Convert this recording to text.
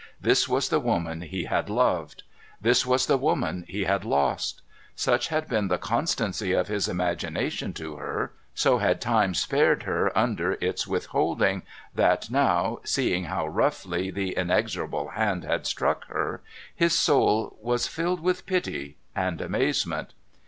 This was the woman he had loved. This was the woman he had lost. Such had been the constancy of his imagination to her, so had Time spared her under its withholding, POLLY'S MOTHER 443 that now, seeing how roughly the inexorable hand had struck her, his soul was filled with pity and amazement.